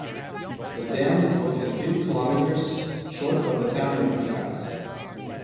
The dam is located a few kilometers north of the town of Bicaz.